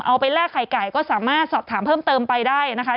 แลกไข่ไก่ก็สามารถสอบถามเพิ่มเติมไปได้นะคะ